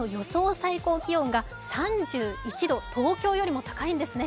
最高気温が３１度、東京よりも高いんですね。